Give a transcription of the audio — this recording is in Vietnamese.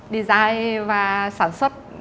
design và sản xuất